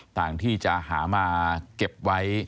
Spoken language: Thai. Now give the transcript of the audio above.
ต่างที่จะหามาเก็บไว้